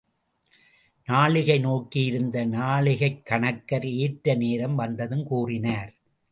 நாழிகை நோக்கி இருந்த நாழிகைக் கணக்கர், ஏற்ற நேரம் வந்ததும் கூறினர்.